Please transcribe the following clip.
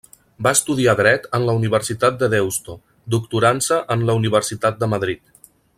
Va estudiar Dret en la Universitat de Deusto, doctorant-se en la Universitat de Madrid.